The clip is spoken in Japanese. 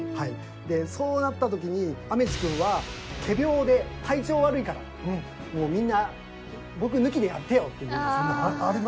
そうなった時に雨地くんは仮病で「体調悪いからみんな僕抜きでやってよ」って言うんです。